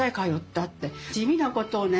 地味なことをね